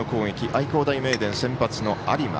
愛工大名電、先発の有馬。